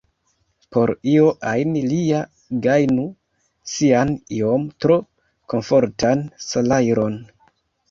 Por io ajn li ja gajnu sian iom tro komfortan salajron.